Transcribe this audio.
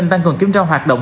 đang còn kiểm tra hoạt động